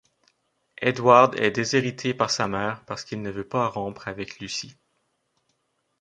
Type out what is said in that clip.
Edward est déshérité par sa mère parce qu'il ne veut pas rompre avec Lucy.